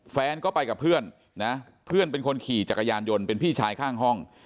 แฟนก็ไปกับเพื่อนนะเพื่อนเป็นคนขี่จักรยานยนต์เป็นพี่ชายข้างห้อง